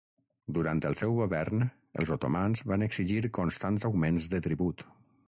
Durant el seu govern els otomans van exigir constants augments de tribut.